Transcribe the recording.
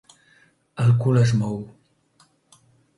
El cul es mou.